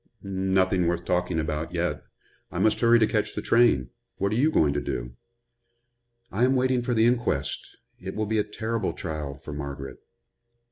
"Nothing worth talking about, yet. I must hurry to catch the train. What are you going to do?" "I am waiting for the inquest. It will be a terrible trial for Margaret."